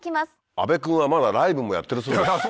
阿部君はまだライブもやってるそうです。